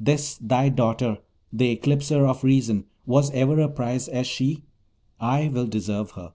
This thy daughter, the Eclipser of Reason, was ever such a prize as she? I will deserve her.